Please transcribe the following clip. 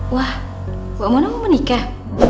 wah mbak mona mau menikah